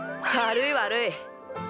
悪い悪い！